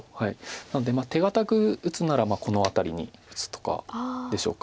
なので手堅く打つならこの辺りに打つとかでしょうか。